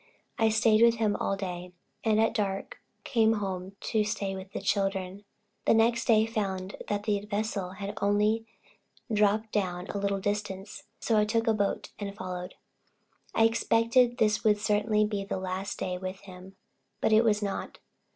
I stayed with him all day, and at dark came home to stay with the children. The next day found that the vessel had only dropped down a little distance, and so I took a boat and followed. I expected this would certainly be the last day with him, but it was not.